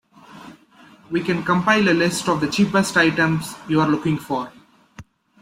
We can compile a list of the cheapest items you are looking for.